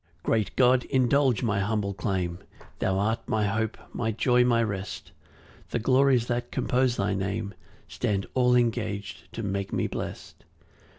1 Great God, indulge my humble claim Thou art my hope, my joy, my rest; The glories that compose thy Name Stand all engag'd to make me blest.